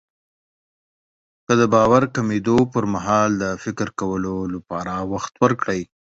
که د باور کمېدو پرمهال د فکر کولو لپاره وخت ورکړئ.